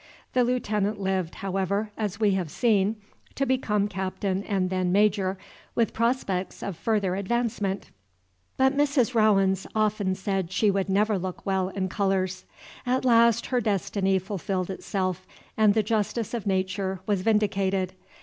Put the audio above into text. The Lieutenant lived, however, as we have seen, to become Captain and then Major, with prospects of further advancement. But Mrs. Rowens often said she should never look well in colors. At last her destiny fulfilled itself, and the justice of Nature was vindicated.